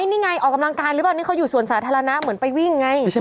นี่ไงออกกำลังกายหรือเปล่านี่เขาอยู่สวนสาธารณะเหมือนไปวิ่งไงใช่ไหม